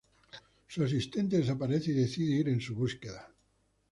Su asistente desaparece y decide ir en su búsqueda.